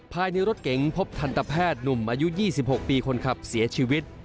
ภายในรถเก๋งพบทันตแพทย์หนุ่มอายุ๒๖ปีคนขับเสียชีวิต